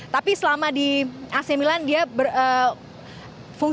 tapi selama di ac milan dia berfungsi